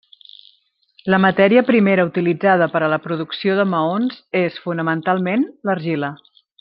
La matèria primera utilitzada per a la producció de maons és, fonamentalment, l'argila.